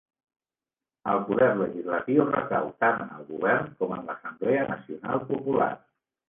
El poder legislatiu recau tant en el Govern com en l'Assemblea Nacional Popular.